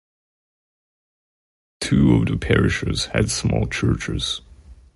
Two of the parishes had small churches.